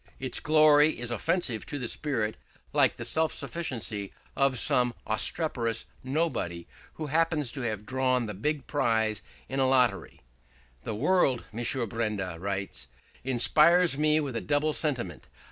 Its glory is offensive to the spirit, like the self sufficiency of some obstreperous nobody, who happens to have drawn the big prize in a lottery. "The world", M. Benda writes, "inspires me with a double sentiment.